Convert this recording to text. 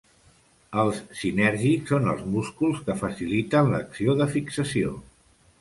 Els sinèrgics són els músculs que faciliten l'acció de fixació.